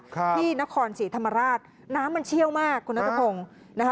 ที่นครศรีธรรมราชน้ำมันเชี่ยวมากคุณนัทพงศ์นะคะ